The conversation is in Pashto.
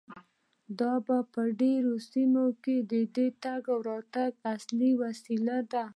دا په ډیرو سیمو کې د تګ راتګ اصلي وسیله ده